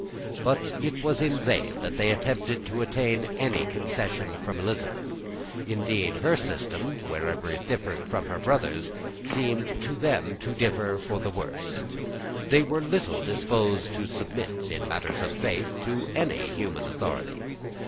But it was in vain that they attempted to obtain any concession from Elizabeth. Indeed her system, wherever it differed from her brother's, seemed to them to differ for the worse. They were little disposed to submit, in matters of faith, to any human authority.